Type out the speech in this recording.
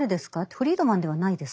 フリードマンではないです。